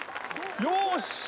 よし！